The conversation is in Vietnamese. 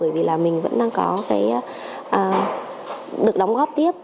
bởi vì là mình vẫn đang có cái được đóng góp tiếp